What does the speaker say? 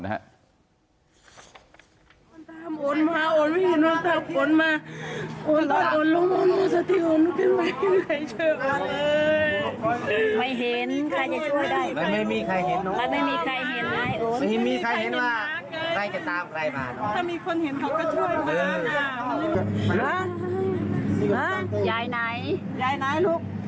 ให้ให้ใยไหนลูก